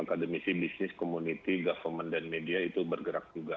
akademisi bisnis community government dan media itu bergerak juga